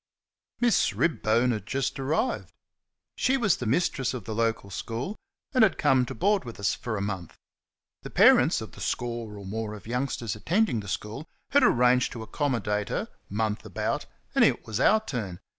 Miss Ribbone had just arrived. She was the mistress of the local school, and had come to board with us a month. The parents of the score of more of youngsters attending the school had arranged to accommodate her, month about, and it was our turn.